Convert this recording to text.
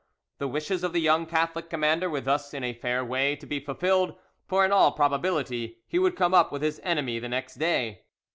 The wishes of the young Catholic commander were thus in a fair way to be fulfilled, for in all probability he would come up with his enemy the next day.